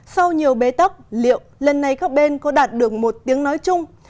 sau nhiều bế tắc liệu lần này các bên có đạt được một tiếng nói chung